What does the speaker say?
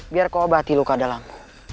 biar kau obati luka dalam